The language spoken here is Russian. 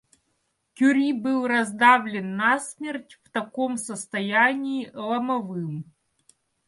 Кюри был раздавлен насмерть в таком состоянии ломовым.